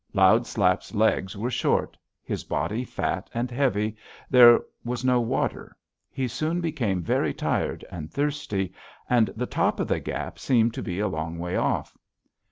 Loud Slap's legs were short; his body fat and heavy; there was no water; he soon became very tired and thirsty, and the top of the gap seemed to be a long way off.